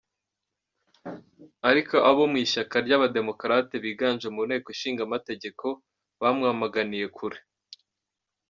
Ariko abo mu ishyaka ry'abademokarate, biganje mu nteko ishingamategeko, bamwamaganiye kure.